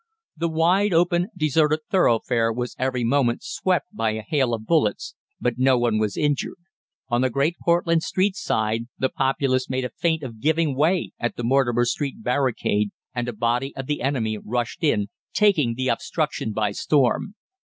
The wide, open, deserted thoroughfare was every moment swept by a hail of bullets, but no one was injured. On the Great Portland Street side the populace made a feint of giving way at the Mortimer Street barricade, and a body of the enemy rushed in, taking the obstruction by storm.